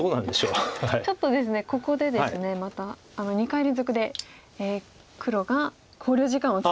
ちょっとここでですねまた２回連続で黒が考慮時間を使いました。